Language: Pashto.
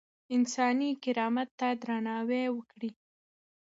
انساني کرامت ته درناوی وکړئ.